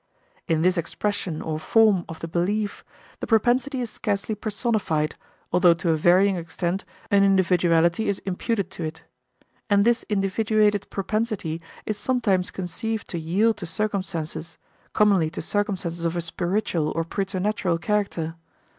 In this expression or form of the belief the propensity is scarcely personified although to a varying extent an individuality is imputed to it; and this individuated propensity is sometimes conceived to yield to circumstances, commonly to circumstances of a spiritual or preternatural character.